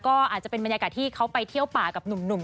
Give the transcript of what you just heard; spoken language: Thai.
ก็อาจจะเป็นบรรยากาศที่เขาไปเที่ยวป่ากับหนุ่ม